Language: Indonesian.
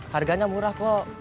harganya murah kok